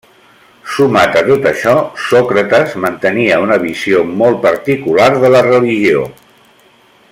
Sumat a tot això, Sòcrates mantenia una visió molt particular de la religió.